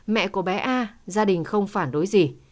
mẹ của bé a gia đình không phản đối gì